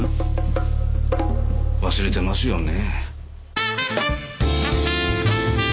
忘れてますよね。